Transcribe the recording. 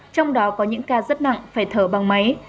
trong đó có những ca rất nặng phải thở bằng máy